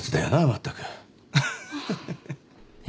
まったく。